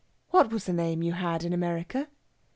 "What was the name you had in America?"